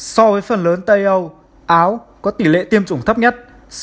so với phần lớn tây âu áo có tỷ lệ tiêm chủng thấp nhất sáu mươi hai tám